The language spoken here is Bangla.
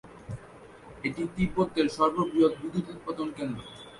এটি তিব্বতের সর্ববৃহৎ বিদ্যুৎ উৎপাদন কেন্দ্র।